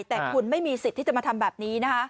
แต่คุณไม่มีสิทธิ์ที่จะมาทำแบบนี้นะคะ